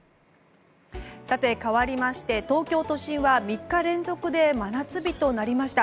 さて、かわりまして東京都心は３日連続で真夏日となりました。